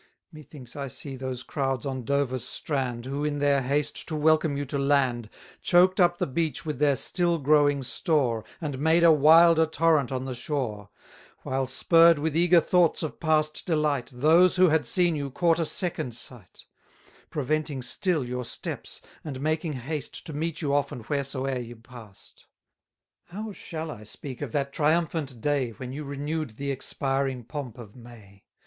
Methinks I see those crowds on Dover's strand, Who, in their haste to welcome you to land, Choked up the beach with their still growing store, And made a wilder torrent on the shore: While, spurr'd with eager thoughts of past delight, 280 Those, who had seen you, court a second sight; Preventing still your steps, and making haste To meet you often wheresoe'er you past. How shall I speak of that triumphant day, When you renew'd the expiring pomp of May!